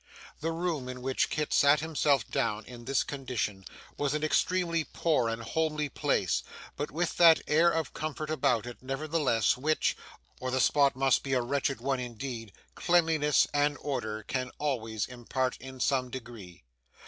The room in which Kit sat himself down, in this condition, was an extremely poor and homely place, but with that air of comfort about it, nevertheless, which or the spot must be a wretched one indeed cleanliness and order can always impart in some degree.